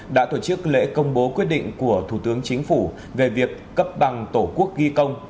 đã tổ chức lễ công bố quyết định của thủ tướng chính phủ về việc cấp bằng tổ quốc ghi công